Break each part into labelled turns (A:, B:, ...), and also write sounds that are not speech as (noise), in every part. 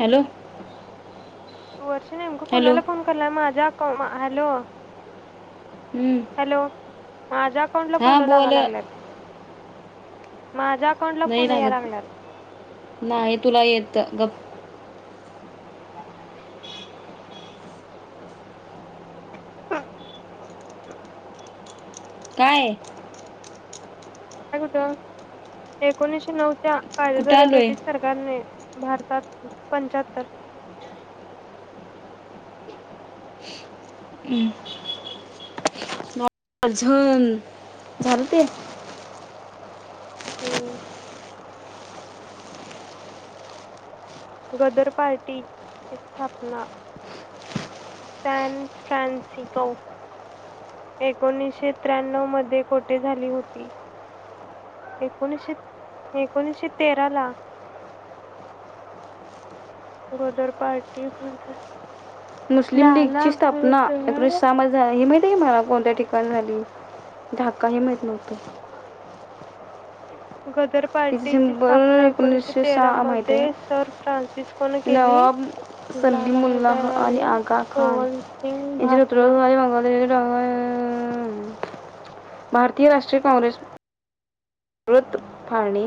A: Hello?
B: वर्षी नेमकं
A: hello
B: कोणाला फोन कराल्या माझ्या हॅलो?
A: हम्म.
B: हॅलो? माझ्या अकाउंटला
A: हा
B: फोन लागा
A: बोल
B: लागल्यात माझ्या अकाउंटला
A: नाही
B: फोन या
A: लागत
B: लागल्यात
A: ना नाही तुला येत त गप
B: (inaudible)
A: काय?
B: काय होतं ते एकोणीशे नऊ च्या
A: कुठं
B: कायद्याद्वारे
A: आलोय
B: ब्रिटिश सरकारने भारतात पंचाहत्तर
A: (unintelligible) अझून झालं ते
B: हूं गदर पार्टीची स्थापना, सॅन फ्रान्सिको एकोणीसशे त्र्यान्नव मध्ये कोठे झाली होती? एकोणीशे, एकोणीशे तेराला गदर पार्टी
A: मुस्लिम
B: लाला
A: लीगची स्थापना, (unintelligible) य मला कोणत्या ठिकाणी झाली. ढाक्का हे माहित नव्हतं.
B: (unintelligible) गदर
A: तिचे
B: पार्टीची
A: सिंबल
B: स्थापना एकोणीसशे तेरा
A: सहा माहित
B: मध्ये
A: आहे
B: सर फ्रान्सिस्कोनं केली.
A: नवाब
B: लाला
A: सलीमुल्लाह आणि
B: हदाअली,
A: आगा खान
B: पोहनसिंग
A: यांच्या
B: भापना
A: नेतृत्वाखाली मागवलेले भारतीय राष्ट्रीय काँग्रेस रत फाळणी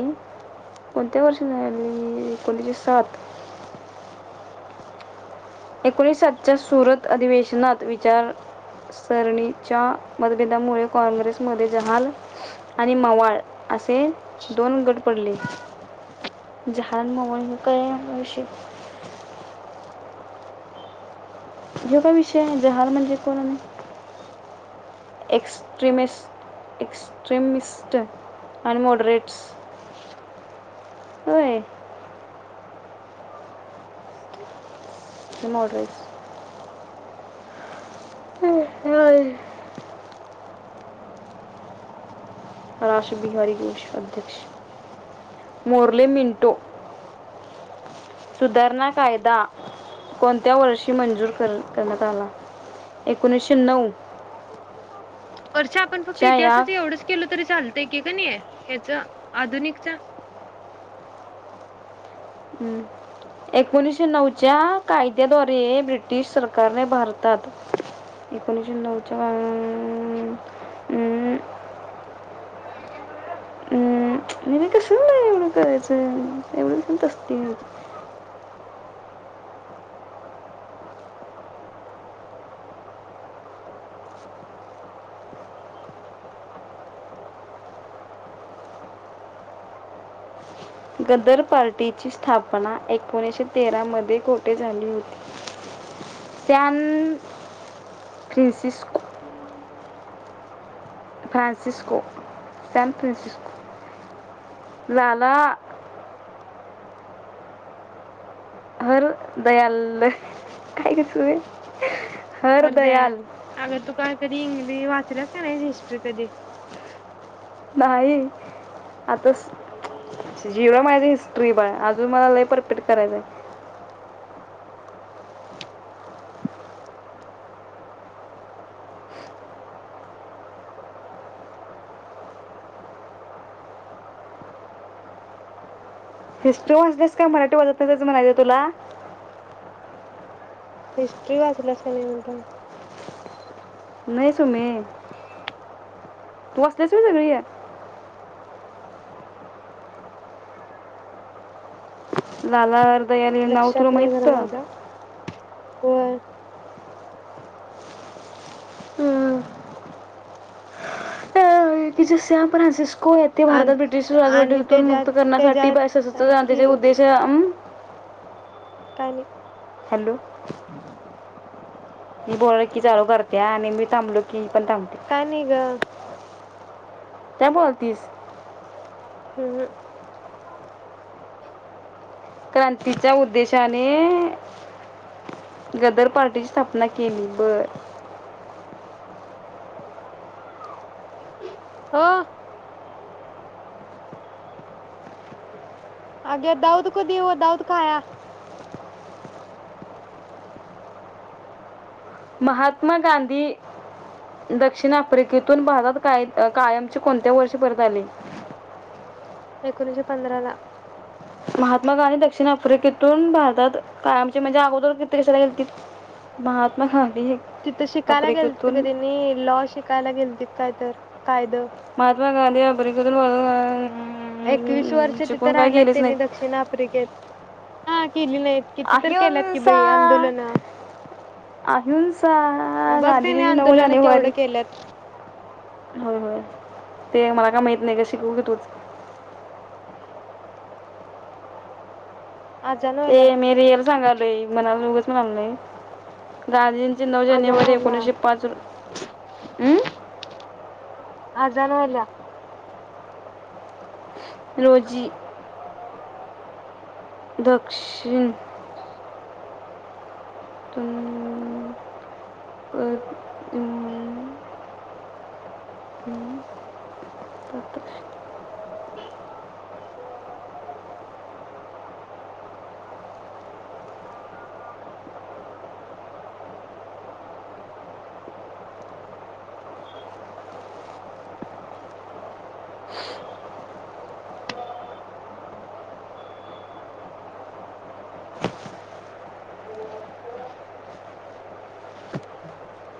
A: कोणत्या वर्षी झाली? एकोणीशे साठ एकोणीशे सातच्या सुरत अधिवेशनात विचारसरणीच्या मतभेदामुळे काँग्रेसमध्ये जहाल आणि मवाळ असे दोन गट पडले. जहाल मवाळ हे काय विषय जो काय विषय ये जहाल म्हणजे कळले एक्स्ट्ररेमिस्ट एक्स्ट्रिमिस्ट आणि मॉडरेट्स व्हय मॉडरेट (unintelligible) राशबिहारी घोष अध्यक्ष. मोरले मिंटो सुधारणा कायदा कोणत्या वर्षी मंजूर कर, करण्यात आला? एकोणीशे नऊ.
B: वरचं आपण फक्त
A: च्या या
B: इतिहासचं एवढच केलं तरी चालतंय ह्य क नये हेचं, आधुनिकचं
A: एकोणीशे नऊच्या कायद्याद्वारे ब्रिटिश सरकारने भारतात, एकोणीशे नऊच्या अं
B: (unintelligible)
A: हम् ह्यांनी कशाला एवढं एवढं करायचंय? एवढं पण कष्ट गदर पार्टीची स्थापना एकोणीशे तेरा मध्ये कोठे झाली होती. San Francisco Francisco San Francisco Lala Har Dayal काय गं सुये
B: हरदयाल अगं, तू काय कधी इंग्लीश वाचल्यास कणय हिस्ट्री कधी
A: नाही अभ्यास झिरो माझी हिस्ट्री बाळा, अजून मला लय परफेक्ट करायचंय हिस्ट्री वाचलीस का मराठी वाचत नाही, त्याचं म्हणायचं तुला
B: हिस्ट्री वाचलास (unintelligible)
A: नही सुमे तु वाचलंस व्हय सगळं हे लालालाल
B: लक्षात नाही आलं माझ्या, वर
A: अं, अरे तिची सेवा पण अशीच. कोण आहेत ते, भारतास ब्रिटिश
B: आणि
A: राजवटीतून
B: त्याच्यात
A: मुक्त करण्यासाठी
B: त्याच्यात
A: सशस्त्र
B: ऐक
A: क्रांतीचे
B: की
A: उद्देश, अं!
B: का आली
A: हॅलो, मी बोललं की चालू करते आणि मी थांबलो की पण थांबते
B: का निग
A: काय बोलतीस.
B: ठिवलं.
A: क्रांतीचा उद्देशाने गदर पार्टीची स्थापना केली बर
B: ह अगे दाऊद क देऊ दाऊद खाया
A: महात्मा गांधी दक्षिण आफ्रिकेतून भारात काय कायमचे कोणत्या वर्षी परत आले.
B: एकोणीशे पंधरा ला.
A: महात्मा गांधी दक्षिण आफ्रिकेतून भारतात कायमची म्हणजे अगोदर किती कशाला गेलतील महात्मा ह-
B: तिथं शिकायला गेलते का त्यानी लॉ शिकायला गेलते. काय तर कायदं.
A: महातमा गांधी आफ्रिकेतून (unintelligible)
B: एकवीस वर्ष तिथे
A: चुकून काय
B: राहिल्यात
A: केलेच
B: त्यांनी
A: नाहीत
B: दक्षिण आफ्रिकेत- हा केली नाहीत किती तर केल्यात कि
A: अहिंसा
B: बाई आंदोलन
A: अहिंसा
B: बघ त्याने
A: गांधीजीची नऊ
B: आंदोलन केवढ
A: जानेवारी
B: केल्यात-
A: होय होय ते मला काय माहत नाही का शिकवून घे तूच -
B: आजान
A: ते
B: व्हायल्या
A: मी रियल सांगालोय मनानं उगाच- (inaudible) गांधीजींची नऊ
B: आजान
A: जानेवारी
B: व्हायल्या
A: एकोणीसशे पाच अम् -
B: अजान (inaudible)
A: रोजी- दक्षिण- (inaudible)
B: (inaudible)
A: (inaudible)
B: (inaudible) (inaudible)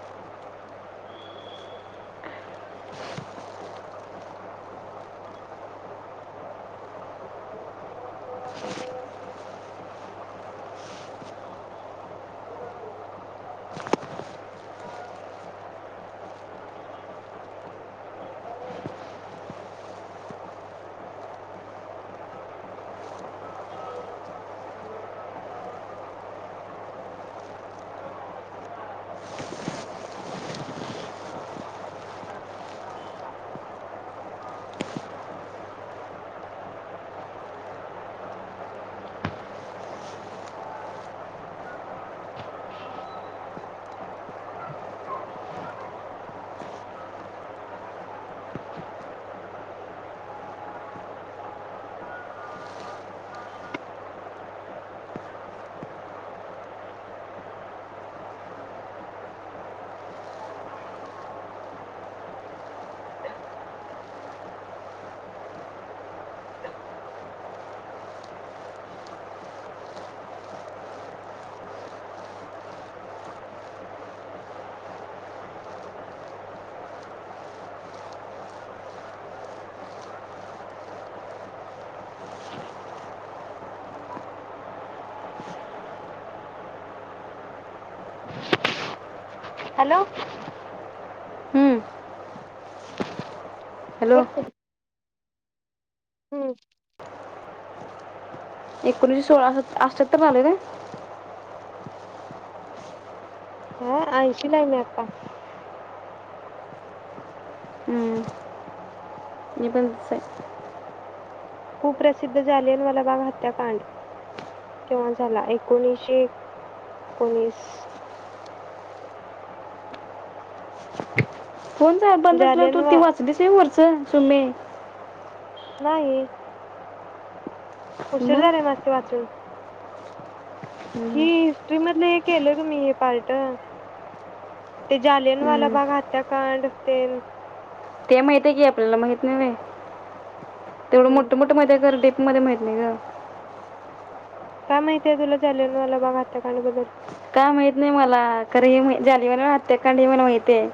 B: (inaudible) (inaudible) हॅलो.
A: हॅलो-
B: हम्म-
A: एकोणीसशे सोळा (unintelligible) आले ना-
B: हा ऐशी लाय मी आता -
A: हे (unintelligible)
B: खूप प्रसिद्ध झाले मलाबाग हत्याकांड केव्हा झाला एकोणीशे एकोणीस-
A: फोन झा बंद असल्यावर तू
B: जालियन
A: ती
B: वा
A: वाचलीसे वरच सुमे
B: नाही. उशीर
A: मग
B: झालेय मस्त वाचून. (inaudible)
A: हं,
B: नाही हे केलं मी हे पार्ट ते जालियनवाला
A: हं.
B: बाग हत्याकांड तेन-
A: ते माहित आहे की आपल्याला माहित नय व्हेय तेवढं
B: हम्म
A: मोठ मोठ मजा करदी- मला माहित नाही ग.
B: काय माहितीय, तुल जालियनवाला बाग हत्याकांड बद्दल.
A: काय माहित नाही मला, खरं हे मा जालियनवाला हत्याकांड हे मला माहित आहे.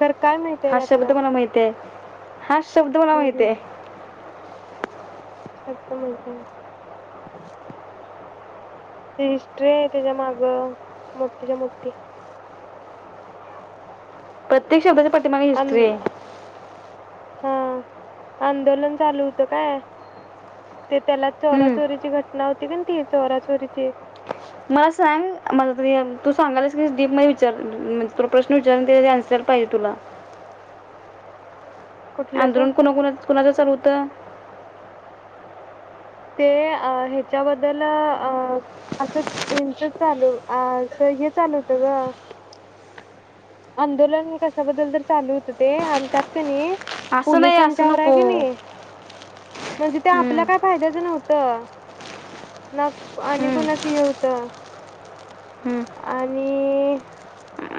B: तर काय माहितीय
A: हा शब्द
B: त्यातलं
A: मला माहितयते हा शब्द मला
B: हम्म
A: माहितयते आहे.
B: हम्म शब्द माहिती हिस्टरी आहे, त्याच्या माग मोठीच्या मोठी.
A: प्रत्यक्षा बदल. पाठीमाग हिस्टरी आय.
B: आं- हा आंदोलन चालू होतं काय, ते त्याला चोरा
A: हम्म.
B: चोरीची घटना होती का, ती चोरा चोरीची.
A: मला सांग मला म तू सांगालास की, डीप म विचारज त प्रश्न विचारना आंसर पाहिजे तुला.
B: कुठलंच
A: आंदोलन कोणाकुणा कोणाचं चालू होतं.
B: ते अ ह्याच्याबद्दल अ असं हच चालू अस हे चालू होतं, ग आंदोलन कशाबद्दल तर चालू होत, ते आणि त्यात कणी.
A: आस नाय अस
B: पोलिसांच्यावर आहे
A: नको.
B: की नाही म्हणजे ते
A: हम्म,
B: आपल्या काय फायद्या नव्हतं ना आणि
A: हम्म,
B: कोणाचं हे होत
A: हम्म.
B: आणि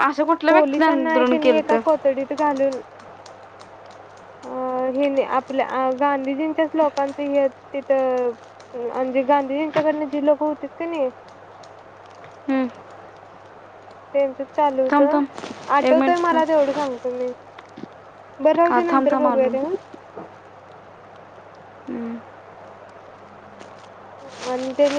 A: असं कुठल्या व्यक्तीने
B: पोलिसांना आहे
A: आंदोलन
B: कणी
A: केलं
B: एका
A: तर
B: कोथडीत घालून अ हेि ना आपल्या आ गांधीजींच्याच लोकांच हे तिथं म्हणजे, अ गांधीजींच्याकडून जी लोक होती का नाय. तेनच चालू
A: थांब
B: होतं,
A: थांब एक
B: आठवतोय
A: मिनिट थांब
B: मला तेवढं सांगतो मी. बर राहू
A: हा,
B: दे
A: थांब
B: नंतर
A: थांब
B: बघूया
A: आलो
B: ते हा.
A: हम्म.
B: आणि त्याने